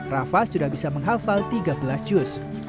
rafa sudah bisa menghafal tiga belas jus